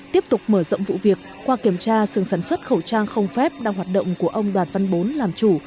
tiếp tục mở rộng vụ việc qua kiểm tra sừng sản xuất khẩu trang không phép đang hoạt động của ông đoàn văn bốn làm chủ